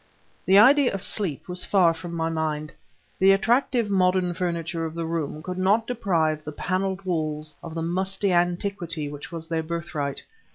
The idea of sleep was far from my mind. The attractive modern furniture of the room could not deprive the paneled walls of the musty antiquity which was their birthright.